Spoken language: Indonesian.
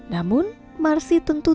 namun marsi tentu